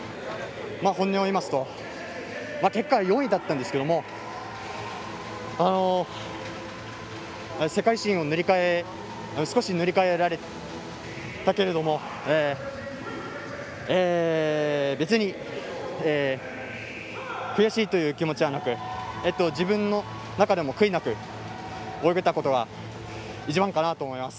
本音を言いますと結果、４位だったんですけども世界新を塗り替えられたけど別に悔しいという気持ちはなく自分の中でも悔いなく泳げたことが一番かなと思います。